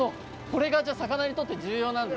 これが魚にとって重要なんですね。